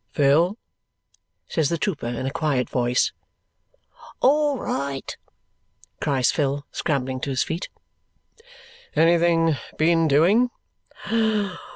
"Phil!" says the trooper in a quiet voice. "All right!" cries Phil, scrambling to his feet. "Anything been doing?"